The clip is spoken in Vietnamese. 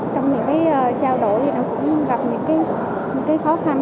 trong những cái trao đổi thì nó cũng gặp những cái khó khăn